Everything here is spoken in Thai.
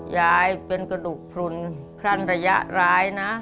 ยายเป็นกระดูกพลุนครั่นระยะร้ายนะ